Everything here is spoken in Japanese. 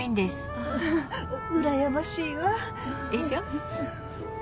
ううらやましいわ。でしょ。